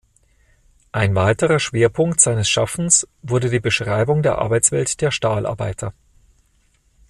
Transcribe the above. Ein weiterer Schwerpunkt seines Schaffens wurde die Beschreibung der Arbeitswelt der Stahlarbeiter.